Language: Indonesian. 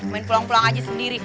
main pulang pulang aja sendiri